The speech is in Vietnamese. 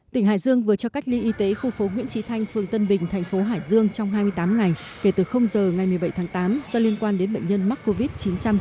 tỉnh hải dương vừa cho cách ly y tế khu phố nguyễn trí thanh phường tân bình thành phố hải dương trong hai mươi tám ngày kể từ giờ ngày một mươi bảy tháng tám do liên quan đến bệnh nhân mắc covid một trăm sáu mươi